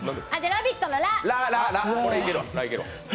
「ラヴィット！」の「ラ」。